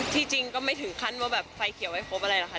จริงก็ไม่ถึงขั้นว่าแบบไฟเขียวไม่พบอะไรหรอกค่ะ